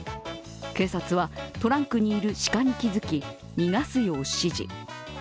警察はトランクにいる鹿に気づき逃がすように指示。